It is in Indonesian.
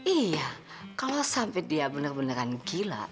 iya kalau sampai dia bener bener kan gila